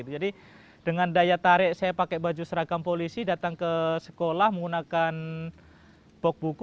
jadi dengan daya tarik saya pakai baju seragam polisi datang ke sekolah menggunakan bok buku